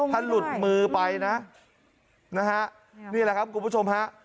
ถ้าหลุดมือไปนะนะฮะนี่แหละครับคุณผู้ชมฮะ